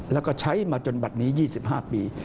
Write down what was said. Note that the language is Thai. แล้วก็ใช้มาจนบัตรนี้๒๕ปี